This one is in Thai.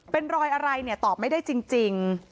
เป็นรอยอะไรตอบไม่ได้จริง